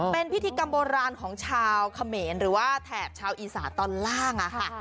เป็นพิธีกรรมโบราณของชาวเขมรหรือว่าแถบชาวอีสานตอนล่างค่ะ